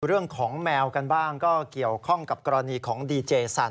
แมวกันบ้างก็เกี่ยวข้องกับกรณีของดีเจสัน